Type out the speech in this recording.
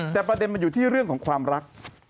แต่ประเด็นมันอยู่ที่เรื่องของความรัก